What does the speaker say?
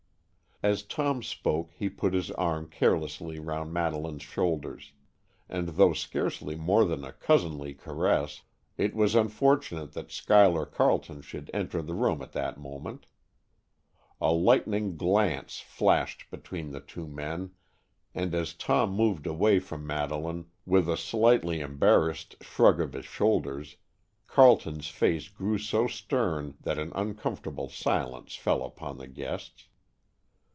As Tom spoke he put his arm carelessly round Madeleine's shoulders, and though scarcely more than a cousinly caress, it was unfortunate that Schuyler Carleton should enter the room at that moment. A lightning glance flashed between the two men, and as Tom moved away from Madeleine with a slightly embarrassed shrug of his shoulders, Carleton's face grew so stern that an uncomfortable silence fell upon the guests.